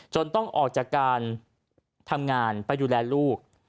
ต้องออกจากการทำงานไปดูแลลูก